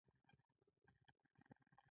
انشاالله.